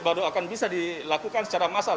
baru akan bisa dilakukan secara massal